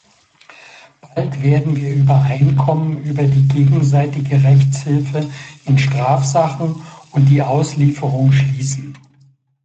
Bald werden wir Übereinkommen über die gegenseitige Rechtshilfe in Strafsachen und die Auslieferung schließen.